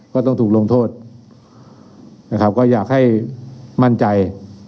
ก็ต้องถูกลงโทษนะครับก็อยากให้มั่นใจ